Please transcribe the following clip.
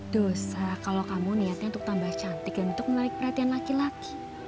dosa kalau kamu niatnya untuk tambah cantik dan untuk menarik perhatian laki laki